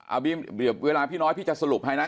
เอาเวลาพี่น้อยพี่จะสรุปให้นะ